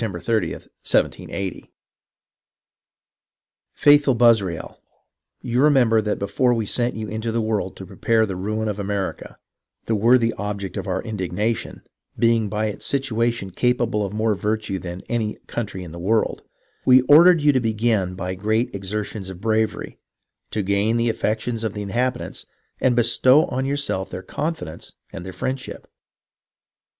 30, 1780: —" Faithful Buzrael, — You remember that before we sent you into the world to prepare the ruin of America (the worthy object of our indignation being by its situation capable of more virtue than any country in the world), we ordered you to begin by great exertions of bravery ; to gain the affections of the inhabitants, and bestow on yourself their confidence and their friendship.